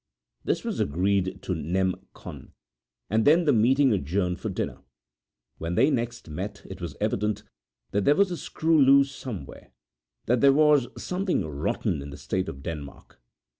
This was agreed to nem. con.; and then the meeting adjourned for dinner. When they next met it was evident that there was a screw loose somewhere that there was 'something rotten in the state of Denmark'.